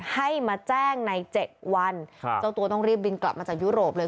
ให้มาแจ้งในเจ็ดวันครับเจ้าตัวต้องรีบบินกลับมาจากยุโรปเลย